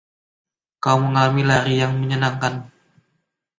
Kau mengalami lari yang menyenangkan!